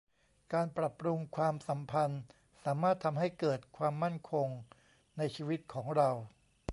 การปรับปรุงความสัมพันธ์สามารถทำให้เกิดความมั่นคงในชีวิตของเรา